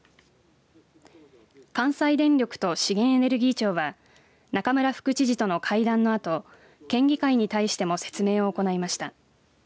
関西電力と資源エネルギー庁は中村副知事との会談のあと県議会に対しても説明を行いました。